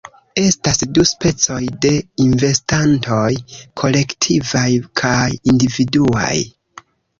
Estas du specoj de investantoj: kolektivaj kaj individuaj.